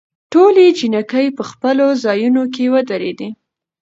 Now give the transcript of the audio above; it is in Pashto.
ټولې جینکې په خپلو ځايونوکې ودرېدي.